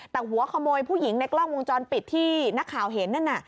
แต่หัวขโมยผู้หญิงในกล้องวงจรปิดที่นักข่าวเห็นนั่นน่ะ